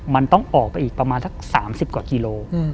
มันต้องออกไปอีกประมาณสัก๓๐กว่ากิโล